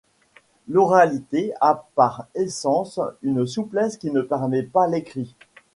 L’oralité a par essence une souplesse que ne permet pas l’écrit.